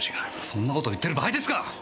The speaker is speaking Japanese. そんな事言ってる場合ですか！